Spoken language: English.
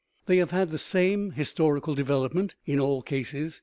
They have had the same historical development in all cases.